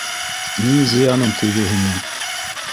Ни зыяным тейҙе һиңә?!